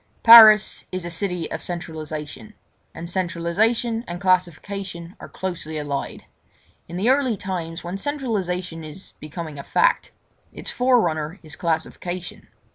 Paris is a city of centralisation—and centralisation and classification are closely allied. In the early times, when centralisation is becoming a fact, its forerunner is classification.